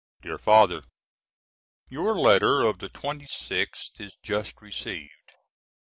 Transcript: DEAR FATHER: Your letter of the 26th is just received.